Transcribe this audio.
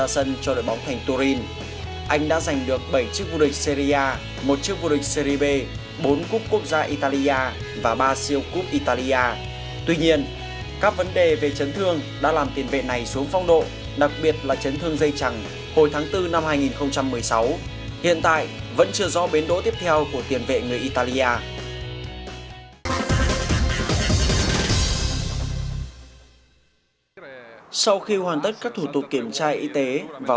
xin chào và hẹn gặp lại trong các video tiếp theo